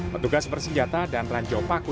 petugas bersenjata dan ranjau paku